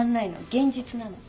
現実なの。